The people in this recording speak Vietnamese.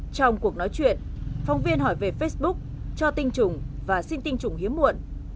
trong cuộc nói chuyện phóng viên hỏi về facebook cho tinh trùng và xin tinh chủng hiếm muộn